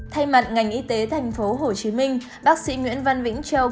thay mặt ngành y tế tp hcm bác sĩ nguyễn văn vĩnh châu